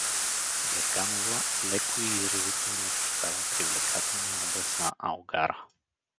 Герганова леко и изразително очертава привлекателния образ на Алгара.